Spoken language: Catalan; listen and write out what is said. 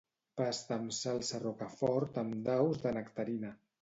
Pasta amb salsa rocafort amb daus de nectarina.